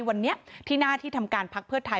วันนี้ที่หน้าที่ทำการพักเพื่อไทย